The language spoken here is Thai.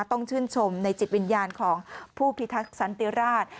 ต้องชื่นชมในจิตวิญญาณของผู้พิทักษ์สันติราช